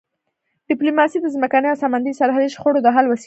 ډیپلوماسي د ځمکني او سمندري سرحدي شخړو د حل وسیله ده.